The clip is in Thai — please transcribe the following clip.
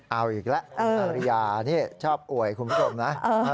เอาอีกแล้วคุณอาริยานี่ชอบอวยคุณผู้ชมนะ